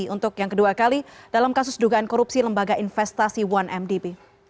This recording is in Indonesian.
untuk yang kedua kali dalam kasus dugaan korupsi lembaga investasi satu mdb